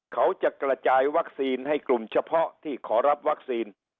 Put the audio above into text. เขาจะกระจายวัคซีนให้กลุ่มเฉพาะที่ขอรับวัคซีน